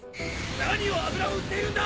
何を油を売っているんだ！